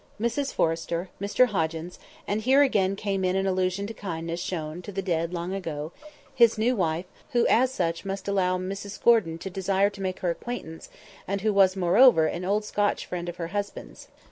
—Mrs Forrester, Mr Hoggins (and here again came in an allusion to kindness shown to the dead long ago), his new wife, who as such must allow Mrs Gordon to desire to make her acquaintance, and who was, moreover, an old Scotch friend of her husband's.